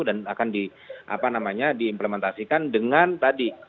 dan akan diimplementasikan dengan tadi